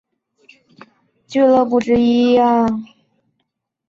佩斯凯迪瑞是印尼最成功的俱乐部之一。